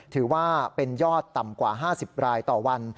ถือว่าเป็นยอดต่ำกว่า๕๐รายต่อวัน